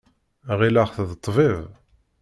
Ɣileɣ-t d ṭṭbib.